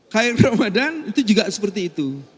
kaya ramadhan itu juga seperti itu